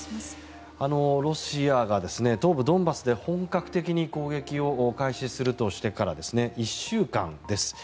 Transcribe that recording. ロシアが東部ドンバスで本格的に攻撃を開始するとしてから１週間です。